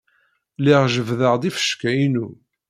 Lliɣ jebbdeɣ-d ifecka-inu.